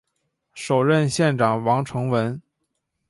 首任县长王成文。